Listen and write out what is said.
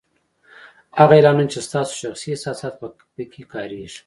هغه اعلانونه چې ستاسو شخصي احساسات په کې کارېږي